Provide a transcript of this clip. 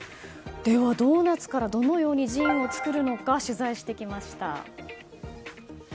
では、ドーナツからどのように人を造るのか取材してきました。